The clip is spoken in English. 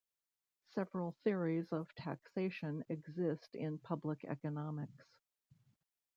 Several theories of taxation exist in public economics.